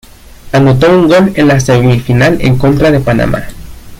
Anotó un gol en la semifinal en contra de Panamá.